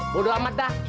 bodo amat dah